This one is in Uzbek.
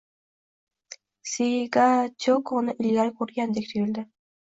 Sekiga Tiyokoni ilgari ko`rgandek tuyuldi